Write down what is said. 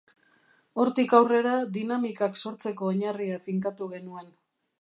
Hortik aurrera dinamikak sortzeko oinarria finkatu genuen.